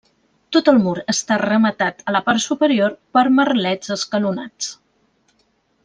Tot el mur està rematat a la part superior per merlets escalonats.